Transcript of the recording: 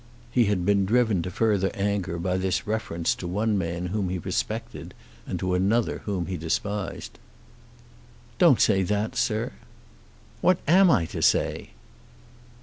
He had been driven to further anger by this reference to one man whom he respected, and to another whom he despised. "Don't say that, sir." "What am I to say?"